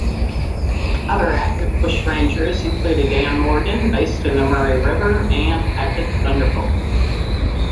Other active bushrangers included Dan Morgan, based in the Murray River, and Captain Thunderbolt.